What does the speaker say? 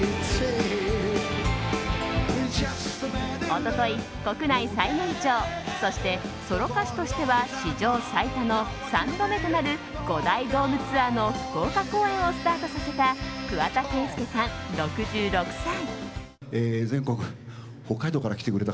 一昨日、国内最年長そしてソロ歌手としては史上最多の３度目となる五大ドームツアーの福岡公演をスタートさせた桑田佳祐さん、６６歳。